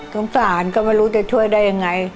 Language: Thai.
สงสารก็ไม่รู้จะช่วยได้ยังไง